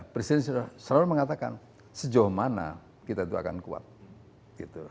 presiden sudah selalu mengatakan sejauh mana kita itu akan kuat gitu